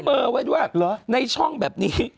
เบอร์ไว้ด้วยในช่องแบบนี้